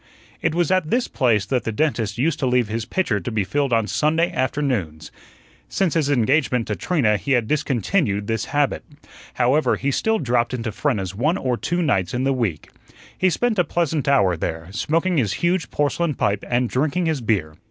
It was at this place that the dentist used to leave his pitcher to be filled on Sunday afternoons. Since his engagement to Trina he had discontinued this habit. However, he still dropped into Frenna's one or two nights in the week. He spent a pleasant hour there, smoking his huge porcelain pipe and drinking his beer.